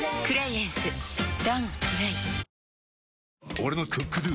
俺の「ＣｏｏｋＤｏ」！